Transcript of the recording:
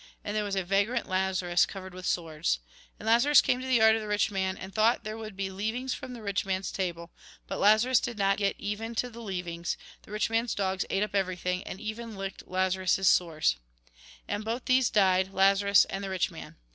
And there was a vagrant, Lazarus, covered with sores. And Lazarus came to the yard of the rich man, and thought there would be leavings from the rich man's table, but Lazarus did not get even the leavings, the rich man's dogs ate up everything, and even licked Lazarus' sores. And both these died, Lazarus and the rich man.